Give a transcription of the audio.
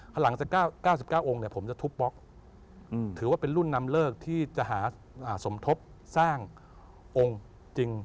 พอหลังจาก๙๙องค์เนี่ยผมจะทุบบล็อกถือว่าเป็นรุ่นนำเลิกที่จะหาสมทบสร้างองค์จริง